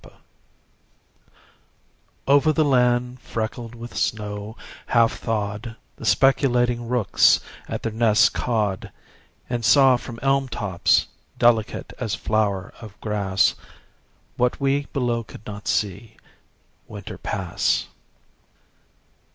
THAW OVER the land freckled with snow half thawed The speculating rooks at their nests cawed And saw from elm tops, delicate as flower of grass, What we below could not see, Winter pass.